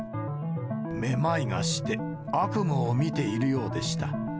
めまいがして悪夢をみているようでした。